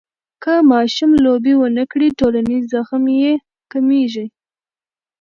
که ماشوم لوبې ونه کړي، ټولنیز زغم یې کمېږي.